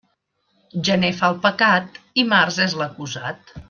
Gener fa el pecat i març és l'acusat.